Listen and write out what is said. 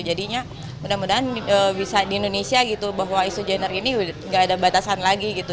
jadinya mudah mudahan bisa di indonesia gitu bahwa isu gender ini gak ada batasan lagi gitu